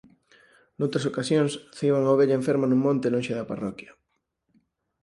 Noutras ocasións ceiban a ovella enferma nun monte lonxe da parroquia.